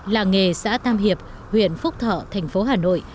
làng nghề xã tam hiệp huyện phúc thọ thành phố hà nội